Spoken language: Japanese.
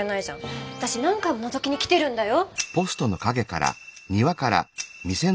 私何回ものぞきに来てるんだよ？